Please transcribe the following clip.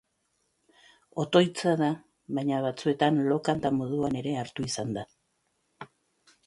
Otoitza da, baina batzuetan lo-kanta moduan ere hartu izan da.